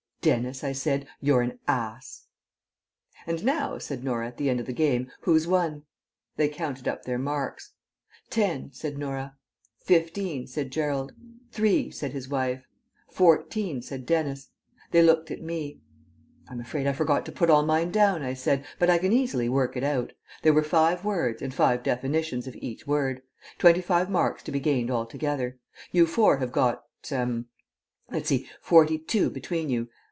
"Dennis," I said, "you're an ass." ..... "And now," said Norah at the end of the game, "who's won?" They counted up their marks. "Ten," said Norah. "Fifteen," said Gerald. "Three," said his wife. "Fourteen," said Dennis. They looked at me. "I'm afraid I forgot to put all mine down," I said, "but I can easily work it out. There were five words, and five definitions of each word. Twenty five marks to be gained altogether. You four have got er let's see forty two between you.